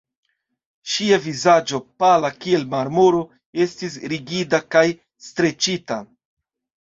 Ŝia vizaĝo, pala kiel marmoro, estis rigida kaj streĉita.